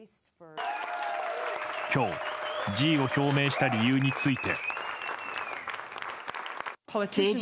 今日、辞意を表明した理由について。